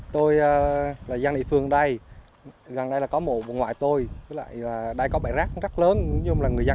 không chỉ ảnh hưởng đến nguyên liệu